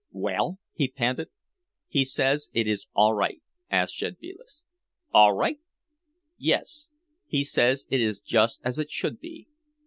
"Well?" he panted. "He says it is all right," said Szedvilas. "All right!" "Yes, he says it is just as it should be."